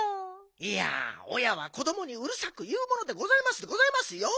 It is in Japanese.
いやおやは子どもにうるさくいうものでございますでございますよ。